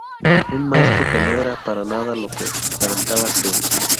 Un maestro que no era para nada lo que aparentaba ser.